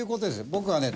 僕はね